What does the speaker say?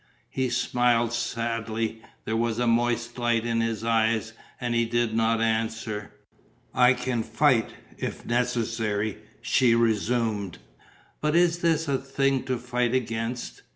He smiled sadly; there was a moist light in his eyes; and he did not answer. "I can fight, if necessary," she resumed. "But is this a thing to fight against?